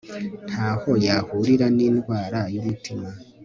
ntaho yahurira n'indwara y'umutima